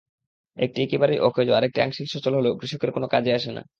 একটি একেবারেই অকেজো, আরেকটি আংশিক সচল হলেও কৃষকের কোনো কাজে আসে না।